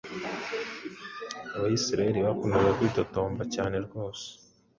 Abisirayeli bakundaga kwitotomba cyane rwose,